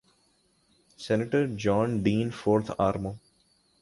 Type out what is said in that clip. senator John Danforth آر مو